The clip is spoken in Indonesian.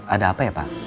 ada apa ya pak